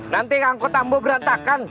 nanti kangkotambo berantakan